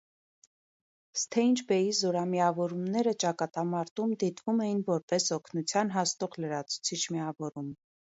Սթեյնջ բեյի զորամիավորումները ճակատամարտում դիտվում էին որպես օգնության հասնող լրացուցիչ միավորում։